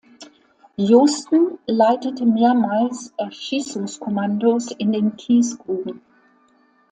Josten leitete mehrmals Erschießungskommandos in den Kiesgruben.